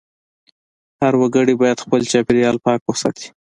هر وګړی باید خپل چاپېریال پاک وساتي.